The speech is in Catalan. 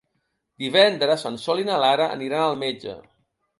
Divendres en Sol i na Lara aniran al metge.